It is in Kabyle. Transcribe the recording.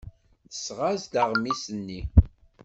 Tesɣa-d aɣmis-nni.